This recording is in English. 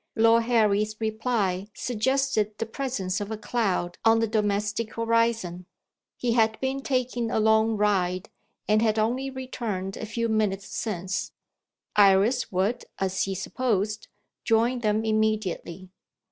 Lord Harry's reply suggested the presence of a cloud on the domestic horizon. He had been taking a long ride, and had only returned a few minutes since; Iris would (as he supposed) join them immediately.